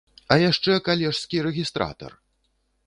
А яшчэ калежскі рэгістратар!